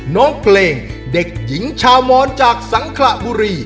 น้องเพลงเด็กหญิงชาวมอนจากสังขระบุรี